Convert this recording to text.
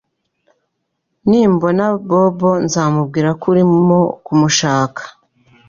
Nimbona Bobo, nzamubwira ko urimo kumushaka.